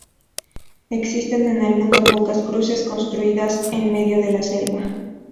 Existen en el mundo pocas cruces construidas en medio de la selva.